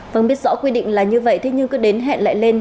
vâng biết rõ quy định là như vậy thế nhưng cứ đến hẹn lại lên